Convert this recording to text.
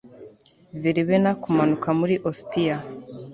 Verbenna kumanuka muri Ostia